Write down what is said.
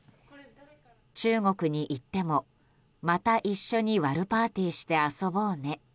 中国に行っても、また一緒にワルパーティーして遊ぼうね。